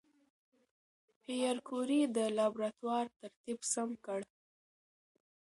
پېیر کوري د لابراتوار ترتیب سم کړ.